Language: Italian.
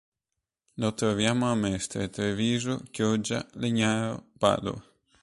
Lo troviamo a Mestre, Treviso, Chioggia, Legnaro, Padova.